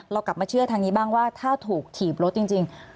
เรากลับมาเชื่อทางนี้บ้างว่าถ้าถูกถีบรถจริง